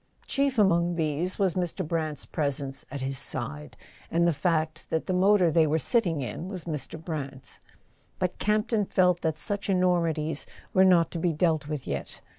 Chief among these was Mr. Brant's presence at his side, and the fact that the motor they were sitting in was Mr. Brant's. But Campton felt that such enormi¬ ties were not to be dealt with yet.